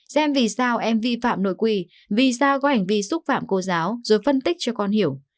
xem vì sao em vi phạm nội quỷ vì sao có hành vi xúc phạm cô giáo rồi phân tích cho con hiểu